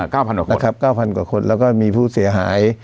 เก้าพันกว่าคนนะครับเก้าพันกว่าคนแล้วก็มีผู้เสียหาย